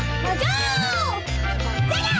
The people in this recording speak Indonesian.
jangan terlalu banyak